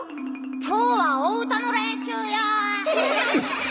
「今日はお歌の練習よ」。